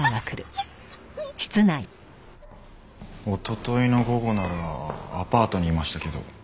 おとといの午後ならアパートにいましたけど。